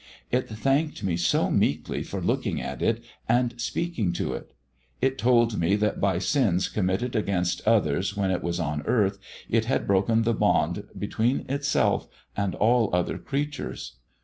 It thanked me so meekly for looking at it and speaking to it. It told me that by sins committed against others when it was on earth it had broken the bond between itself and all other creatures.